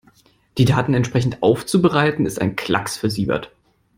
Die Daten entsprechend aufzubereiten, ist ein Klacks für Siebert.